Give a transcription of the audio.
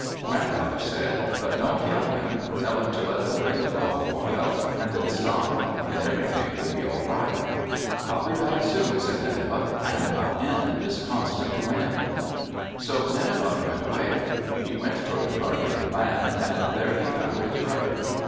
Grandfather said, "But don't kill him. Tell him to let the wind blow awhile, and then stop. Then everything will be all right." "I'll be back soon," said Nenebuc. "And I'll end this constant wind." So Nenebuc went away. He went toward the Darkening Land, and there he found his brother.